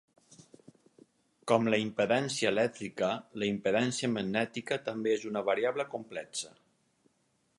Com la impedància elèctrica, la impedància magnètica també és una variable complexa.